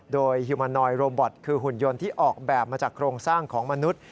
โดยฮิวมานอยโรบอตคือหุ่นยนต์ที่ออกแบบมาจากโครงสร้างของมนุษย์